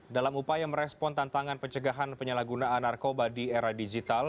dalam upaya merespon tantangan pencegahan penyalahgunaan narkoba di era digital